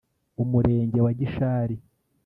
Umurenge wa Gishari